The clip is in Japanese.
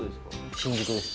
新宿です。